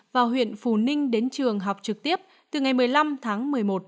và huyện phù ninh đến trường học trực tiếp từ ngày một mươi năm tháng một mươi một